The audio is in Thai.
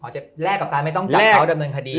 จะแลกกับการไม่ต้องจับเขาดำเนินคดี